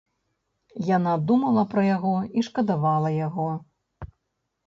Яна думала пра яго і шкадавала яго.